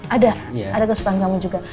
ada ada kesukaan kami juga